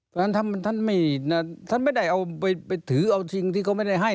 เพราะฉะนั้นท่านไม่ได้เอาไปถือเอาจริงที่เขาไม่ได้ให้